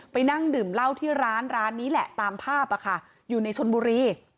นั่งดื่มเหล้าที่ร้านร้านนี้แหละตามภาพอยู่ในชนบุรี